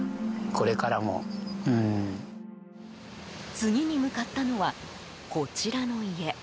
次に向かったのはこちらの家。